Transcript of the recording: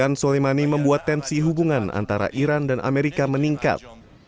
general soleimani membuat tensi hubungan antara iran dan amerika meningkat